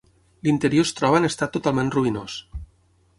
L'interior es troba en estat totalment ruïnós.